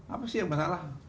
apa sih yang masalah